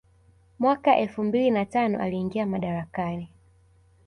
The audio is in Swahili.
Mwaka elfu mbili na tano aliingia madarakani